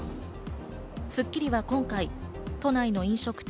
『スッキリ』は今回、都内の飲食店